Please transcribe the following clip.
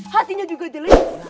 hatinya juga jelek